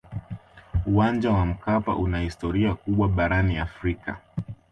uwanja wa mkapa una historia kubwa barani afrika